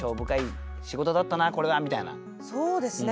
そうですね